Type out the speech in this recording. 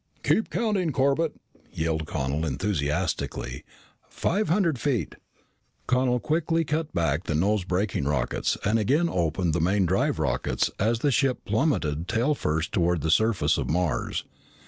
"Keep counting, Corbett!" yelled Connel enthusiastically. "Five hundred feet!" Connel quickly cut back the nose braking rockets and again opened the main drive rockets as the ship plummeted tailfirst toward the surface of Mars.